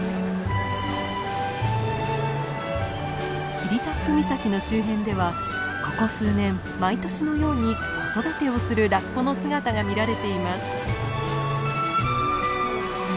霧多布岬の周辺ではここ数年毎年のように子育てをするラッコの姿が見られています。